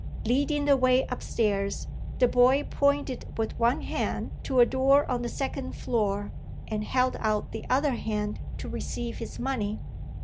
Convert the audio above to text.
Leading the way upstairs, the boy pointed with one hand to a door on the second floor, and held out the other hand to receive his money.